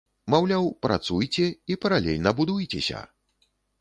Маўляў, працуйце, і паралельна будуйцеся!